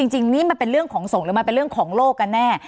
จริงนี่มันเป็นเรื่องของสงฆ์หรือมันเป็นเรื่องของโลกกันแน่